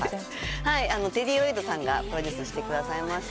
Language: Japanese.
テディロイドさんがプロデュースしてくれました。